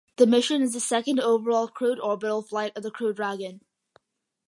The mission is the second overall crewed orbital flight of the Crew Dragon.